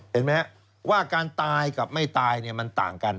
เห็นไหมครับว่าการตายกับไม่ตายมันต่างกัน